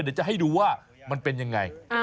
เดี๋ยวจะให้ดูว่ามันเป็นยังไง